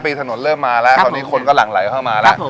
ปีถนนเริ่มมาแล้วคราวนี้คนก็หลั่งไหลเข้ามาแล้ว